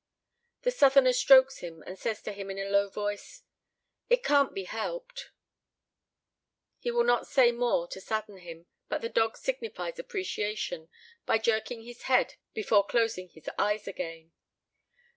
The Southerner strokes him, and says to him in a low voice, "It can't be helped, it " He will not say more to sadden him, but the dog signifies appreciation by jerking his head before closing his eyes again.